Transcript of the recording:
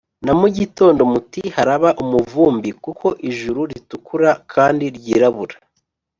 Na mu gitondo muti ‘Haraba umuvumbi kuko ijuru ritukura kandi ryirabura.’